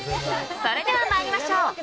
それでは参りましょう。